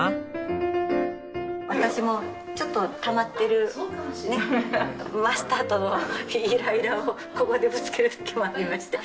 私もちょっとたまってるねマスターとのイライラをここでぶつける時もありまして。